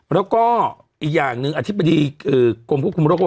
แล้วก็อีกอย่างหนึ่งอธิบดีกรมควบคุมโรค